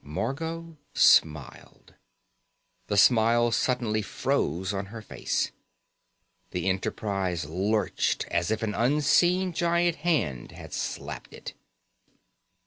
Margot smiled. The smile suddenly froze on her face. The Enterprise lurched as if an unseen giant hand had slapped it.